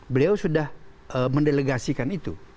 beliau sudah mendelegasikan itu